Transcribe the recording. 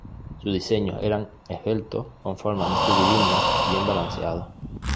Sus diseños eran esbeltos, con formas mas curvilíneas y bien balanceados.